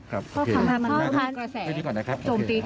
พ่อค่ะขอบคุณครับ